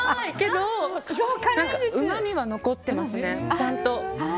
うまみは残ってますねちゃんと。